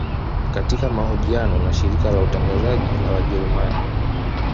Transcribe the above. Katika mahojiano na shirika la utangazaji la wajerumani